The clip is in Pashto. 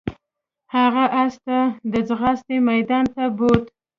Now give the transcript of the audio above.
هغه اس ته د ځغاستې میدان ته بوت.